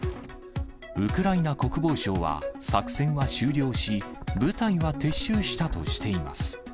ウクライナ国防省は、作戦は終了し、部隊は撤収したとしています。